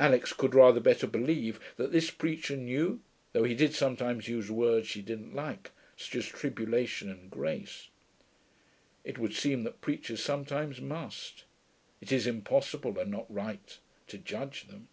Alix could rather better believe that this preacher knew, though he did sometimes use words she didn't like, such as tribulation and grace. (It would seem that preachers sometimes must: it is impossible, and not right, to judge them.)